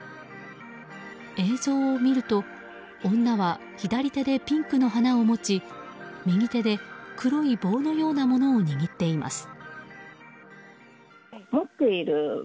映像を見ると、女は左手でピンクの花を持ち右手で黒い棒のようなものを握っています。